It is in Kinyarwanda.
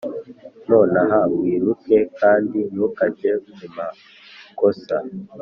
"nonaha wiruke, kandi ntukajye mu makosa.